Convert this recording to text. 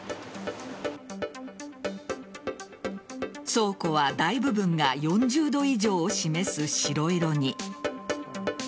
倉庫は大部分が４０度以上を示す白色に。